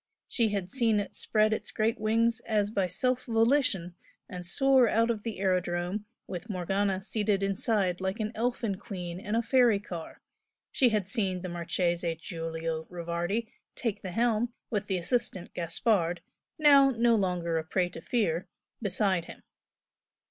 She had seen it spread its great wings as by self volition and soar out of the aerodrome with Morgana seated inside like an elfin queen in a fairy car she had seen the Marchese Giulio Rivardi "take the helm" with the assistant Gaspard, now no longer a prey to fear, beside him.